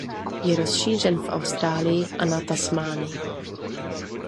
Je rozšířen v Austrálii a na Tasmánii.